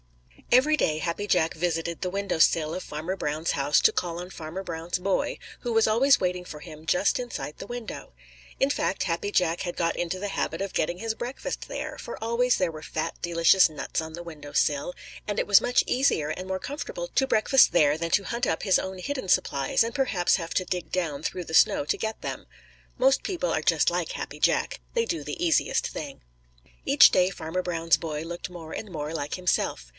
_ Every day Happy Jack visited the window sill of Farmer Brown's house to call on Farmer Brown's boy, who was always waiting for him just inside the window. In fact Happy Jack had got into the habit of getting his breakfast there, for always there were fat, delicious nuts on the window sill, and it was much easier and more comfortable to breakfast there than to hunt up his own hidden supplies and perhaps have to dig down through the snow to get them. Most people are just like Happy Jack they do the easiest thing. Each day Farmer Brown's boy looked more and more like himself.